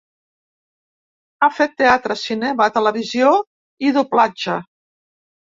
Ha fet teatre, cinema, televisió i doblatge.